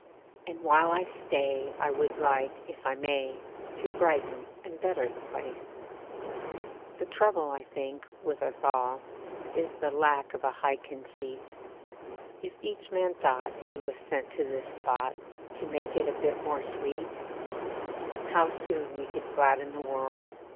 And while I stay I would like, if I may, To brighten and better the place. The trouble, I think, with us all Is the lack of a high conceit. If each man thought he was sent to this spot To make it a bit more sweet, How soon we could gladden the world.